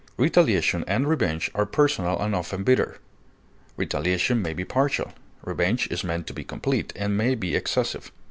Retaliation and revenge are personal and often bitter. Retaliation may be partial; revenge is meant to be complete, and may be excessive.